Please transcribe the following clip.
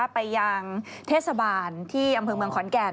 ไปยังเทศบาลที่อำเภอเมืองขอนแก่น